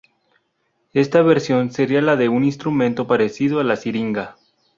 Esta versión sería la de un instrumento parecido a la siringa.